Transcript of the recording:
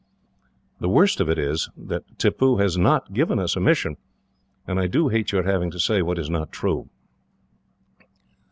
The worst of it is that Tippoo has not given us a mission, and I do hate your having to say what is not true."